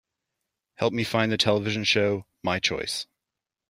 Help me find the television show, My Choice.